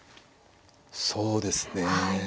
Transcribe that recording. そうですね。